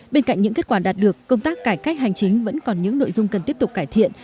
bên cạnh những kết quả đạt được công tác cải cách hành chính vẫn còn những nội dung cần tiếp tục cải thiện